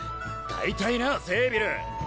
大体なあセービル